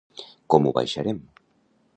Com baixarem?